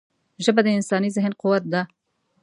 ژبه د انساني ذهن قوت ده